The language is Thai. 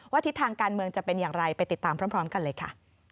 ทิศทางการเมืองจะเป็นอย่างไรไปติดตามพร้อมกันเลยค่ะ